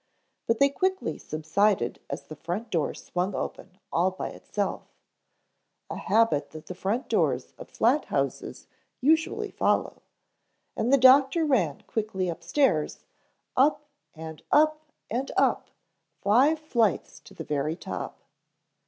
But they quickly subsided as the front door swung open all by itself, a habit that the front doors of flat houses usually follow, and the doctor ran quickly upstairs, up and up and up five flights to the very top.